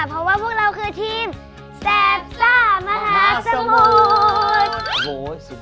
เพราะว่าพวกเราคือทีมแสบซ่ามหาสมุทร